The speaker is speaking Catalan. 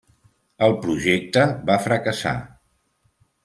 El projecte va fracassar.